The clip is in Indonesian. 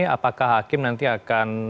apakah hakim nanti akan